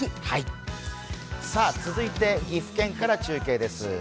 続いて岐阜県から中継です。